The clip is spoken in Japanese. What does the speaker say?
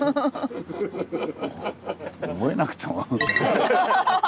覚えなくても。